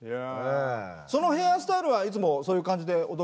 そのヘアスタイルはいつもそういう感じで踊るの？